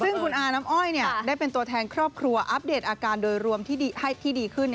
ซึ่งคุณอาน้ำอ้อยได้เป็นตัวแทนครอบครัวอัปเดตอาการโดยรวมที่ดีขึ้น